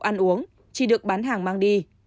ăn uống chỉ được bán hàng mang đi